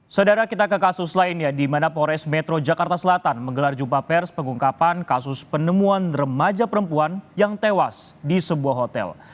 saudara kita ke kasus lainnya di mana pores metro jakarta selatan menggelar jumpa pers pengungkapan kasus penemuan remaja perempuan yang tewas di sebuah hotel